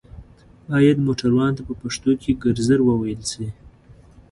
بايد موټروان ته په پښتو کې ګرځر ووئيل شي